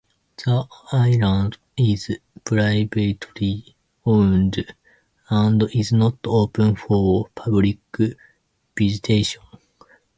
The Island is privately owned and is not open for public visitation.